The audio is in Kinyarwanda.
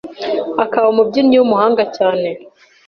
akaba umubyinnyi w’umuhanga cyane